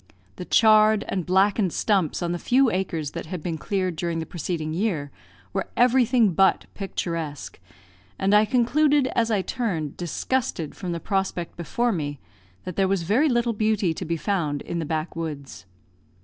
The charred and blackened stumps on the few acres that had been cleared during the preceding year were everything but picturesque; and I concluded, as I turned, disgusted, from the prospect before me, that there was very little beauty to be found in the backwoods.